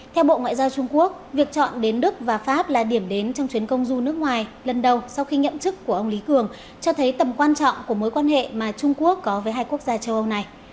theo bộ ngoại giao trung quốc việc chọn đến đức và pháp là điểm đến trong chuyến công du nước ngoài lần đầu sau khi nhậm chức của ông lý cường cho thấy tầm quan trọng của mối quan hệ mà trung quốc có với hai quốc gia châu âu này